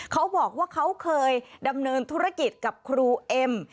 เขาบอกว่าเขาเคยดำเนินธุรกิจกับครูเอ็ม